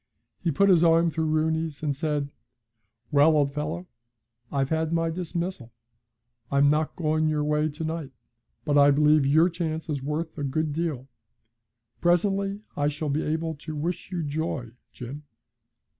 He put his arm through Rooney's and said, 'Well, old fellow, I've had my dismissal. I'm not going your way to night, but I believe your chance is worth a good deal. Presently I shall be able to wish you joy, Jim.'